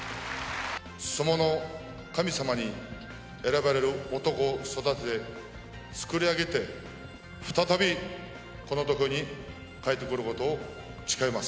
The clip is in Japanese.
相撲の神様に選ばれる男を育て、作り上げて、再びこの土俵に帰ってくることを誓います。